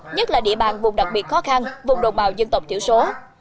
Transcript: nhất là địa bàn vùng đặc biệt khó khăn vùng đồng bào dân tộc thiểu số